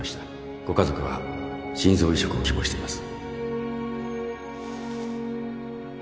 ご家族は心臓移植を希望しています